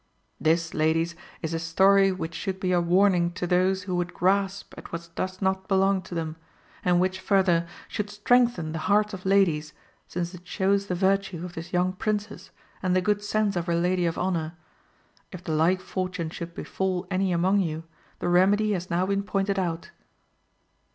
"This, ladies, is a story which should be a warning to those who would grasp at what does not belong to them, and which, further, should strengthen the hearts of ladies, since it shows the virtue of this young Princess, and the good sense of her lady of honour. If the like fortune should befall any among you, the remedy has now been pointed out."